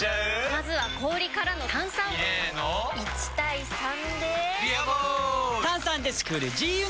まずは氷からの炭酸！入れの１：３で「ビアボール」！